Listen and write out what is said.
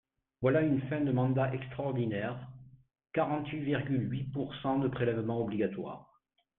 Voilà une fin de mandat extraordinaire, quarante-huit virgule huit pourcent de prélèvements obligatoires.